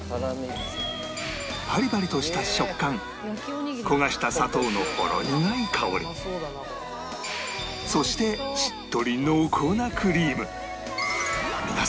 パリパリとした食感焦がした砂糖のほろ苦い香りそしてしっとり濃厚なクリーム